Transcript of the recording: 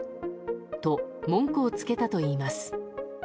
と、文句をつけたといいます。